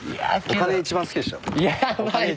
お金一番好きでしょ。